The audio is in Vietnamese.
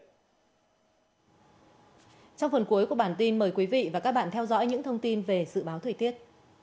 trong phần cuối của bản tin mời quý vị và các bạn theo dõi những thông tin về dự báo thời tiết